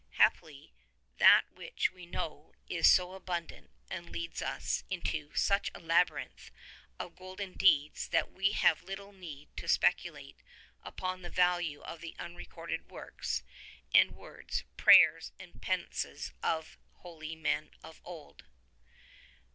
Happily, that which we know is so abundant and leads us 130 into such a labyrinth of golden deeds that we have little need to speculate upon the value of the unrecorded works and ' words, prayers and penances of holy men of old.